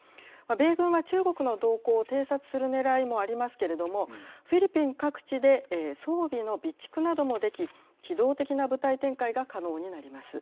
米軍は中国の動向を偵察するねらいもありますけれどもフィリピン各地で装備の備蓄などもでき機動的な部隊展開が可能になります。